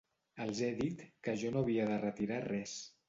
Els he dit que jo no havia de retirar res.